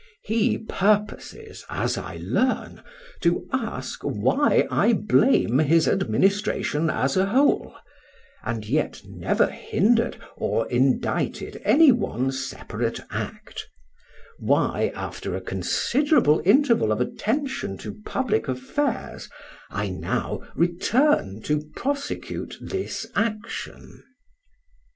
He purposes, as I learn, to ask why I blame his administration as a whole, and yet never hindered or indicted any one separate act; why, after a considerable interval of attention to public affairs, I now return to prosecute this action....